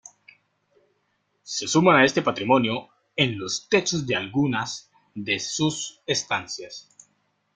Se suman a este patrimonio en los techos de algunas de sus estancias.